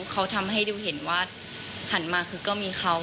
เขาทำให้ดิวเห็นว่าหันมาคือก็มีเขา